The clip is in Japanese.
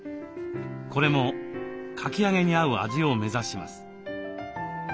これもかき揚げに合う味を目指します。